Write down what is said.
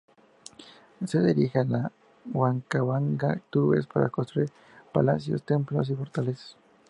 Se dirige a Huancabamba y Tumbes para construir palacios, templos y fortalezas.